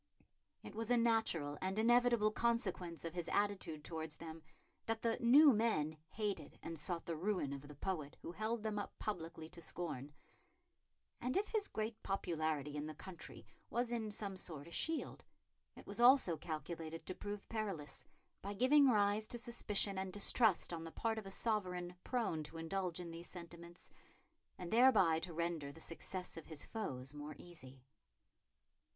It was a natural and inevitable consequence of his attitude towards them that the "new men" hated and sought the ruin of the poet who held them up publicly to scorn; and if his great popularity in the country was in some sort a shield, it was also calculated to prove perilous, by giving rise to suspicion and distrust on the part of a sovereign prone to indulge in these sentiments, and thereby to render the success of his foes more easy.